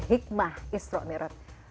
hikmah israel merod